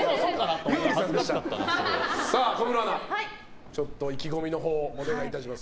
小室アナ、意気込みのほうお願いします。